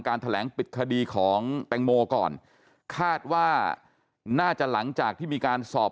แถลงปิดคดีของแตงโมก่อนคาดว่าน่าจะหลังจากที่มีการสอบ